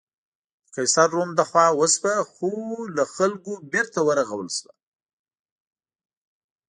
د قیصر روم له خوا وسوه خو له خلکو بېرته ورغول شوه.